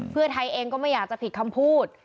เพื่อไทยเองก็ไม่อยากจะผิดคำพูด